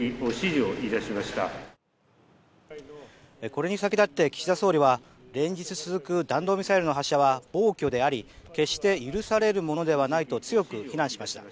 これに先立って岸田総理は連日続く弾道ミサイルの発射は暴挙であり決して許されるものではないと強く非難しました。